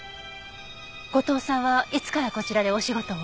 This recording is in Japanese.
後藤さんはいつからこちらでお仕事を？